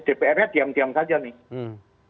dpr nya diam diam saja nih